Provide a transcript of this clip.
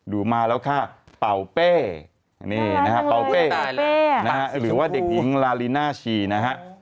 มาแล้วค่ะเป่าเป้นี่นะฮะเป่าเป้หรือว่าเด็กหญิงลาลีน่าชีนะฮะ